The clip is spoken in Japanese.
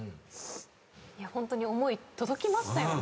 いやホントに思い届きましたよね。